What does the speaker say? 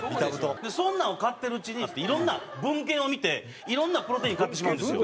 そんなんを買ってるうちにいろんな文献を見ていろんなプロテイン買ってしまうんですよ。